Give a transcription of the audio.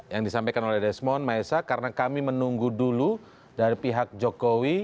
yang disampaikan oleh desmond maesa karena kami menunggu dulu dari pihak jokowi